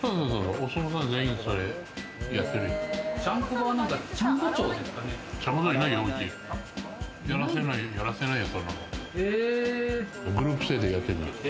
お相撲さん全員がやってるよ。